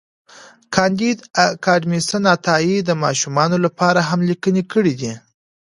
کانديد اکاډميسن عطایي د ماشومانو لپاره هم لیکني کړي دي.